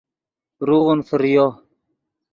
روغون فریو